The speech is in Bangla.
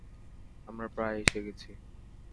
আমরা প্রায় এসে গেছি।